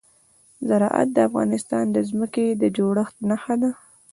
زراعت د افغانستان د ځمکې د جوړښت نښه ده.